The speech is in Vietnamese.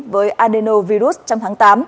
với adeno virus trong tháng tám